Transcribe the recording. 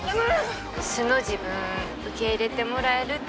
素の自分受け入れてもらえるって自信ある？